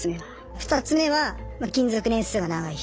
２つ目は勤続年数が長い人。